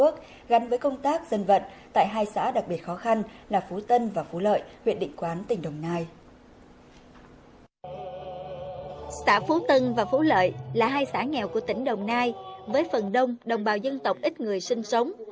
xã phú tân và phú lợi là hai xã nghèo của tỉnh đồng nai với phần đông đồng bào dân tộc ít người sinh sống